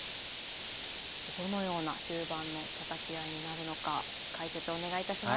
どのような終盤のたたき合いになるのか解説お願いいたします。